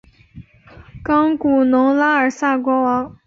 冈古农拉尔萨国王。